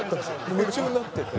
夢中になってて。